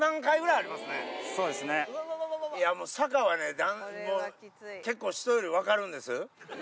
いや、もう坂はね、もう結構、人より分かるんです。